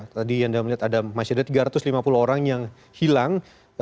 tadi anda melihat ada masih ada tiga ratus lima puluh orang yang hilang